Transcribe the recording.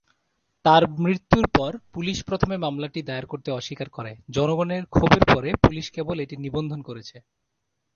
তার মৃত্যুর পর পুলিশ প্রথমে মামলাটি দায়ের করতে অস্বীকার করে; জনগণের ক্ষোভের পরে পুলিশ কেবল এটি নিবন্ধন করেছে।